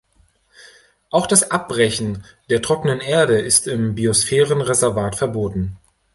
Auch das Abbrechen der trockenen Erde ist im Biosphärenreservat verboten.